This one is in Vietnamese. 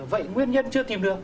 vậy nguyên nhân chưa tìm được